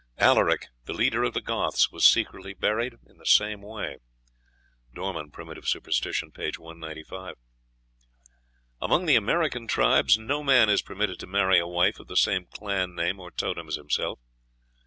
Alaric, the leader of the Goths, was secretly buried in the same way. (Dorman, "Prim. Superst.," p. 195.) Among the American tribes no man is permitted to marry a wife of the same clan name or totem as himself.